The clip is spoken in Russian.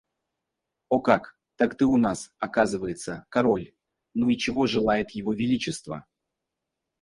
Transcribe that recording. О как! Так ты у нас, оказывается, король? Ну и чего желает его Величество?